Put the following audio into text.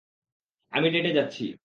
আমি ডেটে যাচ্ছি।